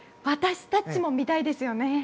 私たちも見たいですよね。